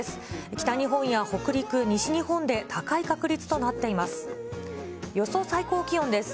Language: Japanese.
北日本や北陸、西日本で高い確率となっています。